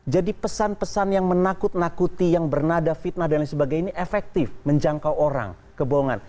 jadi pesan pesan yang menakut nakuti yang bernada fitnah dan lain sebagainya efektif menjangkau orang kebohongan